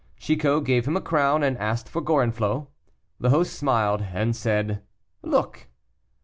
Chicot gave him a crown, and asked for Gorenflot. The host smiled, and said, "Look!"